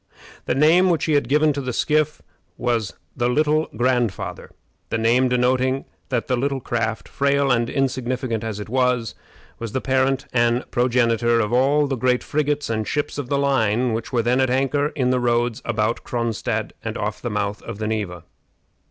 The name which he had given to the skiff was The Little Grandfather, the name denoting that the little craft, frail and insignificant as it was, was the parent and progenitor of all the great frigates and ships of the line which were then at anchor in the Roads about Cronstadt and off the mouth of the Neva.